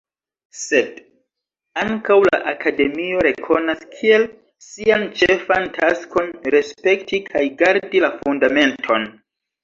Sed ankaŭ la Akademio rekonas kiel sian ĉefan taskon respekti kaj gardi la Fundamenton.